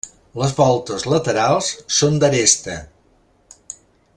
Les voltes laterals són d'aresta.